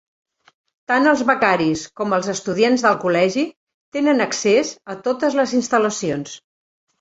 Tant els becaris com els estudiants del col·legi tenen accés a totes les instal·lacions.